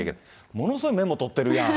ものすごいメモ取ってるやん。